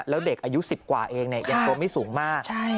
แล้วเด็กอายุ๑๐กว่าเองยังตัวไม่สูงมาก